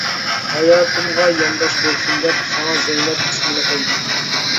ھاياتىمغا يانداش بولسۇن دەپ، ساڭا زەينەپ ئىسمىنى قويدۇم.